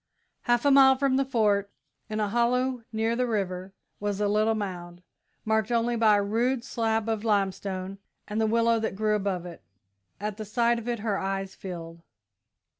Half a mile from the Fort, in a hollow near the river, was a little mound, marked only by a rude slab of limestone and the willow that grew above it. At the sight of it her eyes filled.